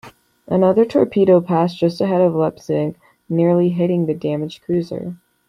Another torpedo passed just ahead of "Leipzig", nearly hitting the damaged cruiser.